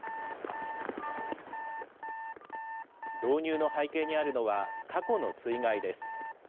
導入の背景にあるのは、過去の水害です。